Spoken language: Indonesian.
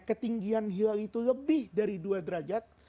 ketinggian hilal itu lebih dari dua derajat